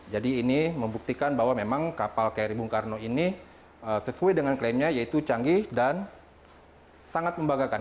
jadi ini membuktikan bahwa memang kapal kri bung karno ini sesuai dengan klaimnya yaitu canggih dan sangat membagakan